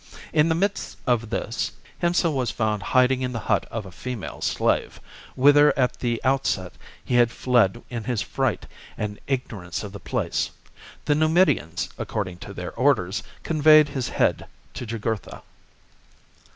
In the midst of this, Hiempsal was found hiding in the hut of a female slave, whither at the outset he had fled in his fright and ignorance of the place. The XIII. THE JUGURTHINE WAR. 133 Numidians, according to their orders, conveyed his chap. head to Jugurtha.